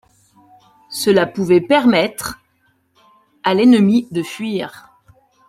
Cela pouvait permettre à l'ennemi de fuir.